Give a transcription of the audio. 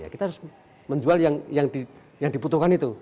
kita harus menjual yang dibutuhkan itu